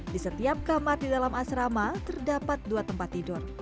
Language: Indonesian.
di setiap kamar di dalam asrama terdapat dua tempat tidur